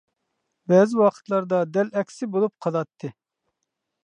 بەزى ۋاقىتلاردا دەل ئەكسى بولۇپ قالاتتى.